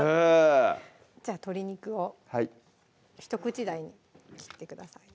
じゃあ鶏肉をひと口大に切ってください